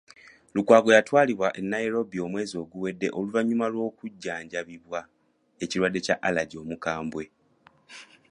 Lukwago yatwalibwa e Nairobi omwezi oguwedde oluvannyuma lw'okujjanjabibwa ekirwadde kya Alaje omukambwe.